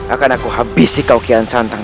akan aku habisi kau kian santang